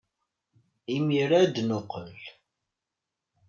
Imir-a ad d-neqqel.